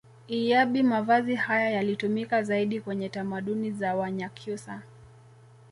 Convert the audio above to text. Iyabi mavazi haya yalitumika zaidi kwenye tamaduni za wanyakyusa